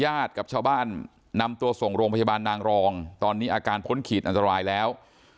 กับชาวบ้านนำตัวส่งโรงพยาบาลนางรองตอนนี้อาการพ้นขีดอันตรายแล้ว